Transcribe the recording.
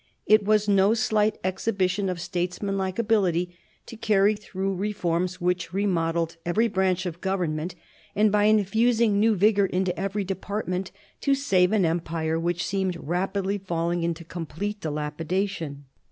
It was no slight exhibition of statesmanlike ability to carry through reforms which remodelled every branch of government, and, by infusing new vigour into every department, to save an empire which seemed rapidly falling into complete dilapidation.